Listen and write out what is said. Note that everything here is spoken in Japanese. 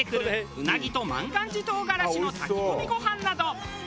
うなぎと万願寺とうがらしの炊き込みご飯など。